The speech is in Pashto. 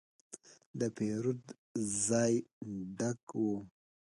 د پیرود ځای ډک و.